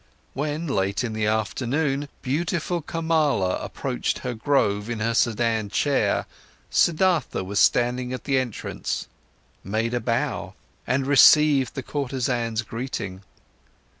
When late in the afternoon, beautiful Kamala approached her grove in her sedan chair, Siddhartha was standing at the entrance, made a bow and received the courtesan's greeting.